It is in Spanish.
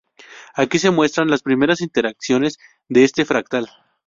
Aquí se muestran las primeras iteraciones de este fractal.